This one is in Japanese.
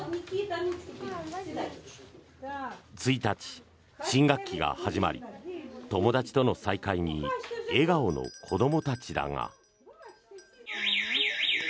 １日、新学期が始まり友達との再会に笑顔の子どもたちだが。